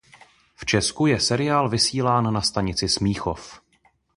V Česku je seriál vysílán na stanici Smíchov.